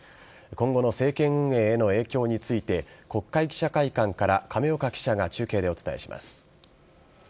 今後の政権運営への影響について国会記者会館から亀岡記者が中継でお伝えします。